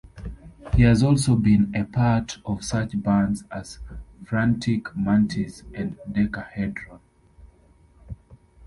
He has also been a part of such bands as Frantic Mantis and Decahedron.